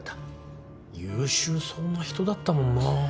優秀そうな人だったもんなぁ。